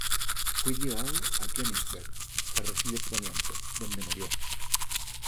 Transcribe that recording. Fue llevado a Königsberg para recibir tratamiento, donde murió.